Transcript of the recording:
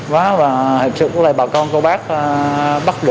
và thực sự là bà con cô bác